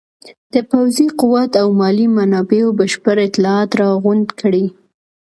د پوځي قوت او مالي منابعو بشپړ اطلاعات راغونډ کړي.